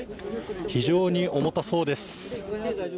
非常に重たそうです。